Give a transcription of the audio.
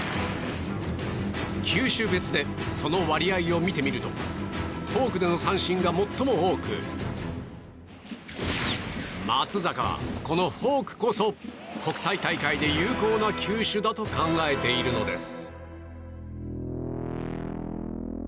球種別でその割合を見てみるとフォークでの三振が最も多く松坂は、このフォークこそ国際大会で有効な球種だと考えているのです。